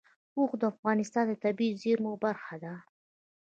اوښ د افغانستان د طبیعي زیرمو برخه ده.